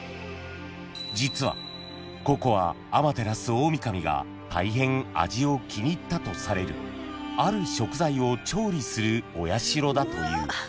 ［実はここは天照大御神が大変味を気に入ったとされるある食材を調理するお社だという］